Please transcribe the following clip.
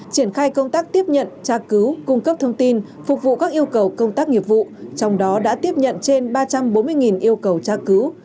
triển khai công tác tiếp nhận tra cứu cung cấp thông tin phục vụ các yêu cầu công tác nghiệp vụ trong đó đã tiếp nhận trên ba trăm bốn mươi yêu cầu tra cứu